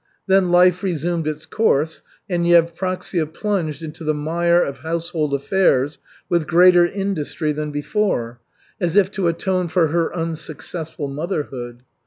Then life resumed its course, and Yevpraksia plunged into the mire of household affairs with greater industry than before, as if to atone for her unsuccessful motherhood.